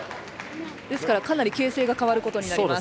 ですからかなりけいせいがかわることになります。